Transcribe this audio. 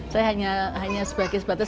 saya hanya sebagai sebatas